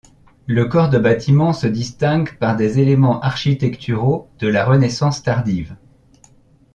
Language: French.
Le corps de bâtiment se distingue par des éléments architecturaux de la Renaissance tardive.